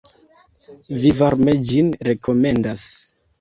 Mi varme ĝin rekomendas.